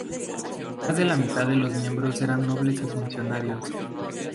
Más de la mitad de los miembros eran nobles o funcionarios.